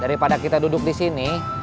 daripada kita duduk disini